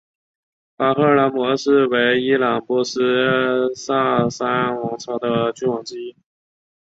巴赫拉姆二世为伊朗波斯萨珊王朝的君主之一。